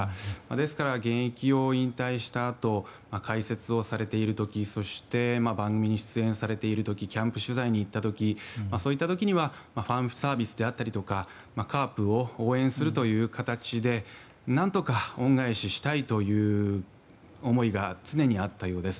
ですから、現役を引退したあと解説をされている時そして、番組に出演されている時キャンプ取材に行った時そういった時にはファンサービスであったりとかカープを応援するという形で何とか恩返ししたいという思いが常にあったようです。